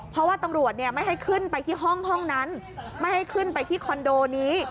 เพราะว่าตำรวจไม่ให้ขึ้นไปที่ห้องนั้นไม่ให้ขึ้นไปที่คอนโดนี้